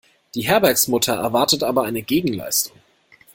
Die Herbergsmutter erwartet aber eine Gegenleistung.